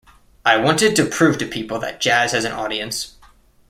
I wanted to prove to people that jazz has an audience.